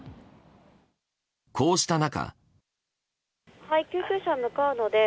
こうした中。